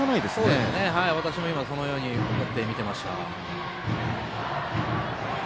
そうですね、私も今そのように思って見ていました。